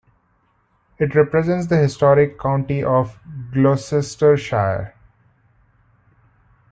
It represents the historic county of Gloucestershire.